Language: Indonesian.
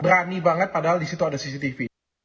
berani banget padahal disitu ada cctv